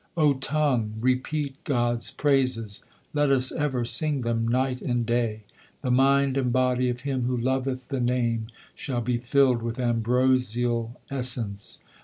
O tongue, repeat God s praises ; let us ever sing them night and day. The mind and body of him who loveth the Name shall be filled with ambrosial essence.